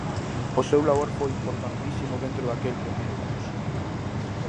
O seu labor foi importantísimo dentro daquel primeiro curso.